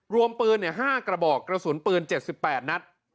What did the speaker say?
รวมปืน๕กระบอกกระสุนปืนเจ็ดสิบแปดนัด